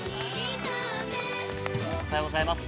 ◆おはようございます。